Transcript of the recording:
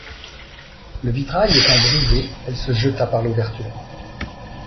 Le vitrail étant brisé, elle se jeta par l'ouverture.